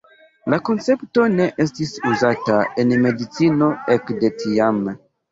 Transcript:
La koncepto ne estis uzata en medicino ekde tiam.